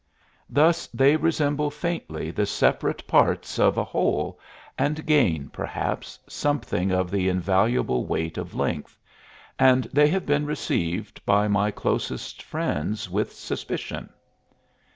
Thus they resemble faintly the separate parts of a whole, and gain, perhaps, something of the invaluable weight of length; and they have been received by my closest friends with suspicion.